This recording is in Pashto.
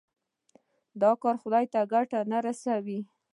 دا کار خدای ته ګټه نه رسوي.